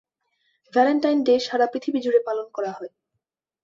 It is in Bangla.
ভ্যালেন্টাইন ডে সারা পৃথিবী জুড়ে পালন করা হয়।